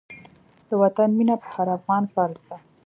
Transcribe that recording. د وطن مينه په هر افغان فرض ده.